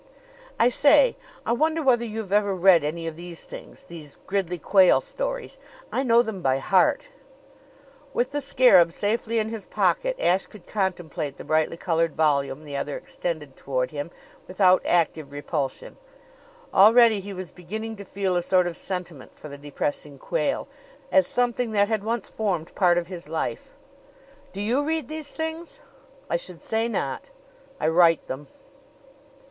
"I say, I wonder whether you've ever read any of these things these Gridley Quayle stories? I know them by heart." With the scarab safely in his pocket, Ashe could contemplate the brightly colored volume the other extended toward him without active repulsion. Already he was beginning to feel a sort of sentiment for the depressing Quayle, as something that had once formed part of his life. "Do you read these things?" "I should say not. I write them."